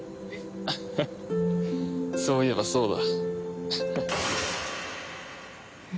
ハハッそういえばそうだ。